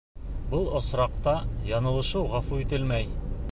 Был осраҡта яңылышыу ғәфү ителмәй.